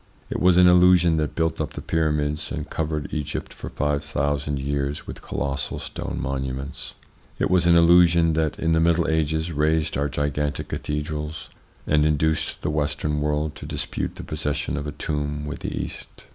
It was an illusion that built up the pyramids, and covered Egypt for five thousand years with colossal stone monuments. It was an illusion that, in the Middle Ages, raised our gigantic cathedrals, and induced the Western world to dispute the possession of a tomb with the East.